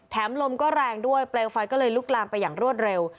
ลมก็แรงด้วยเปลวไฟก็เลยลุกลามไปอย่างรวดเร็ว